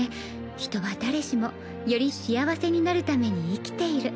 人は誰しもより幸せになるために生きている